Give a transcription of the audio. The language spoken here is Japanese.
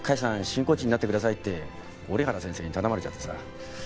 新コーチになってくださいって折原先生に頼まれちゃってさ。